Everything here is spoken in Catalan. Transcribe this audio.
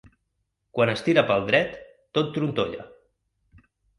Quan es tira pel dret, tot trontolla.